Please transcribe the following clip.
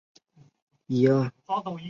立体专一性是此反应的一个显着特征。